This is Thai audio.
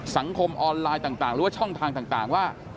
สังคมออนไลน์ต่างหรือว่าช่องทางต่างว่า